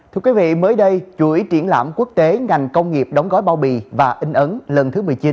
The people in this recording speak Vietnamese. thưa quý vị mới đây chuỗi triển lãm quốc tế ngành công nghiệp đóng gói bao bì và in ấn lần thứ một mươi chín